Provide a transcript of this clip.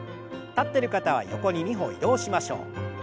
立ってる方は横に２歩移動しましょう。